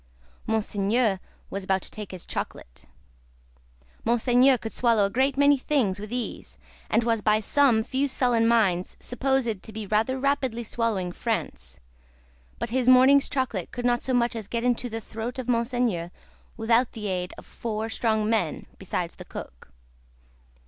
Monseigneur was about to take his chocolate. Monseigneur could swallow a great many things with ease, and was by some few sullen minds supposed to be rather rapidly swallowing France; but, his morning's chocolate could not so much as get into the throat of Monseigneur, without the aid of four strong men besides the Cook.